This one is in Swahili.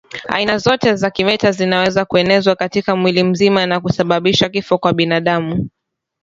Aina zote za kimeta zinaweza kuenezwa katika mwili mzima na kusababisha kifo kwa binadamu